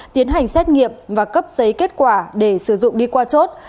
tiến hành xét nghiệm và cấp giấy kết quả để sử dụng đi qua chốt